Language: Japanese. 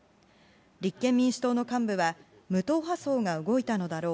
立憲民主党の幹部は無党派層が動いたのだろう。